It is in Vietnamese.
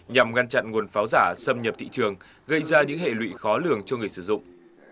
nhằm ngăn chặn nguồn pháo giả xâm nhập thị trường gây ra những hệ lụy khó lường cho người sử dụng